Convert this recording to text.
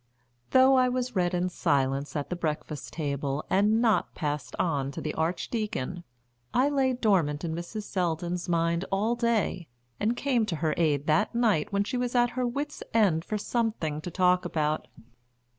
Though I was read in silence at the breakfast table and not passed on to the Archdeacon, I lay dormant in Mrs. Selldon's mind all day, and came to her aid that night when she was at her wits' end for something to talk about.